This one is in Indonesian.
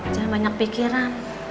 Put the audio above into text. jangan banyak pikiran